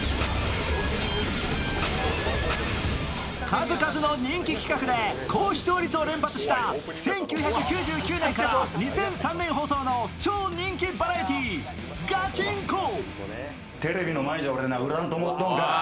数々の人気企画で高視聴率を連発した１９９９年から２００３年放送の超人気バラエティー「ガチンコ！」